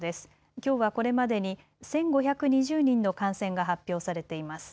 きょうはこれまでに１５２０人の感染が発表されています。